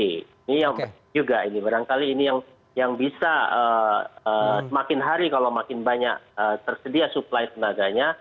ini yang penting juga ini barangkali ini yang bisa semakin hari kalau makin banyak tersedia supply tenaganya